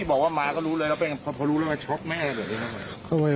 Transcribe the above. พี่บอกว่ามาก็รู้เลยแล้วเปลี่ยนพอรู้แล้วช็อปแม่เลย